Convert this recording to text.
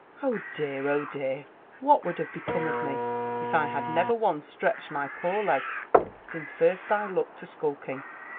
Oh dear ! oh dear l whal would' have become of me if I had never once stretched my poor legs since first I look to skulking